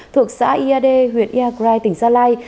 thuộc xã yade huyện yagrai tỉnh gia lai